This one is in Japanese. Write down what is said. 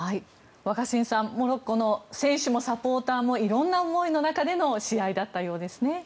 若新さんモロッコの選手もサポーターも色んな思いの中での試合だったようですね。